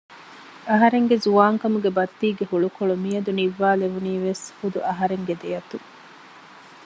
އަހަރެންގެ ޒުވާންކަމުގެ ބައްތީގެ ހުޅުކޮޅު މިއަދު ނިއްވާލެވުނީވެސް ހުދު އަހަރެންގެ ދެއަތުން